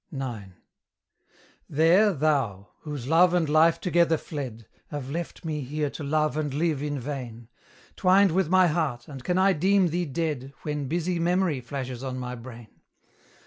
IX. There, thou! whose love and life together fled, Have left me here to love and live in vain Twined with my heart, and can I deem thee dead, When busy memory flashes on my brain?